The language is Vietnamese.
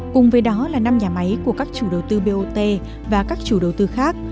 cùng với đó là năm nhà máy của các chủ đầu tư bot và các chủ đầu tư khác